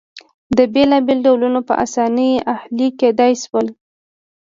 دا بېلابېل ډولونه په اسانۍ اهلي کېدای شول